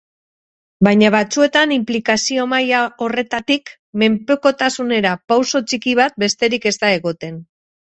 Baina batzuetan inplikazio maila horretatik menpekotasunera pauso txiki bat besterik ez da egoten.